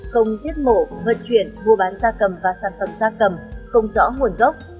không giết mổ vận chuyển mua bán da cầm và sản phẩm da cầm không rõ nguồn gốc